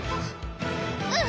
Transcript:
うん！